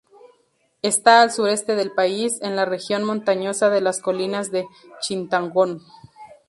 Está al sureste del país, en la región montañosa de las colinas de Chittagong.